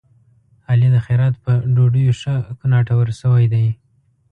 علي د خیرات په ډوډيو ښه کوناټور شوی دی.